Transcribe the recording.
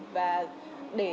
và để dưới mô tế